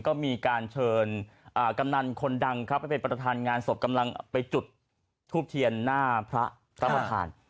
ก็มีการเชิญกำนันคนดังครับไปเป็นประธานงานศพกำลังไปจุดทูบเทียนหน้าพระพระประธาน